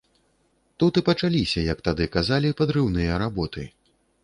Тут і пачаліся, як тады казалі, падрыўныя работы.